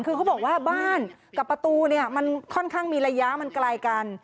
คือเขาบอกว่าบ้านกับประตูเนี่ยมันค่อนข้างมีระยะมันไกลกัน